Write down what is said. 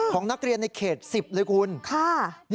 ของนักเรียนในเขต๑๐เลยคุณ